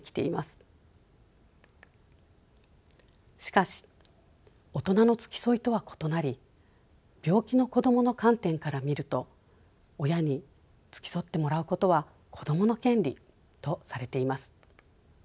しかし大人の付き添いとは異なり病気の子どもの観点から見ると親に付き添ってもらうことは子どもの権利とされています。